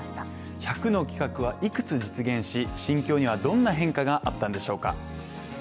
１００の企画はいくつ実現し、心境にはどんな変化があったんでしょうか？